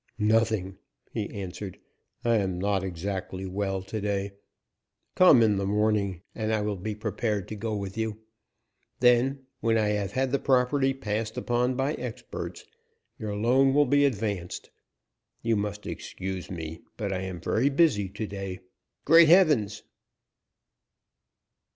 "Nothing," he answered. "I am not exactly well to day. Come in the morning, and I will be prepared to go with you. Then, when I have had the property passed upon by experts, your loan will be advanced. You must excuse me, but I am very busy to day Great heavens!"